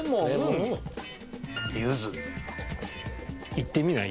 いってみない？